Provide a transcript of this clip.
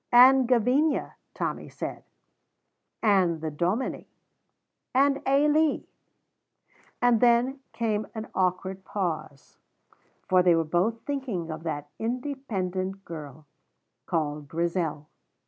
"And Gavinia," Tommy said, "and the Dominie." "And Ailie." And then came an awkward pause, for they were both thinking of that independent girl called Grizel.